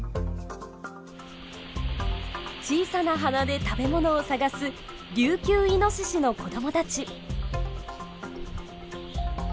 小さな鼻で食べ物を探すリュウキュウイノシシの子供たち。